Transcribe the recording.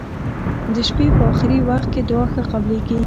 د شپي په اخرې وخت کې دعا ښه قبلیږی.